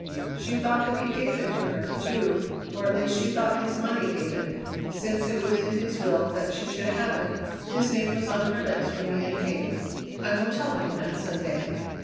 She thought that he gave it to her, too, or at least she thought his money gave it, since it was in his will that she should have it. His name was on her lips when the end came. I will tell him that some day.